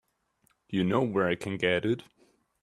You know where I can get it?